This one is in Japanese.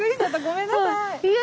ごめんなさい。